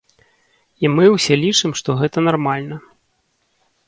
І мы ўсе лічым, што гэта нармальна.